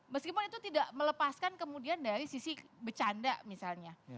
meskipun itu tidak melepaskan kemudian dari sisi becanda misalnya